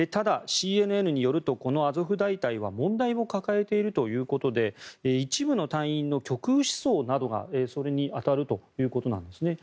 ただ、ＣＮＮによるとこのアゾフ大隊は問題を抱えているということで一部の隊員の極右思想などがそれに当たるということなんですね。